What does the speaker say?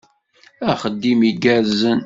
Axeddim igerrzen!